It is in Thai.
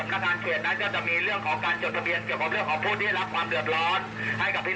ใครที่ยังไม่เข้าเกี่ยวนะครับ